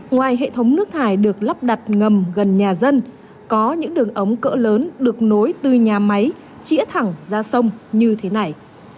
ngoài hệ thống nước thải được lắp đặt ngầm gần nhà dân có những đường ống cỡ lớn được nối từ nhà máy chĩa thẳng ra sông như thế này